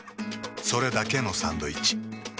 それだけのサンドイッチ。